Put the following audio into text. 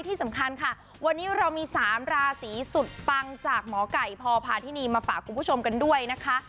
ที่สำคัญค่ะวันนี้เรามี๓ราศีสุดปังจากหมอไก่พพาธินีมาฝากคุณผู้ชมกันด้วยนะคะ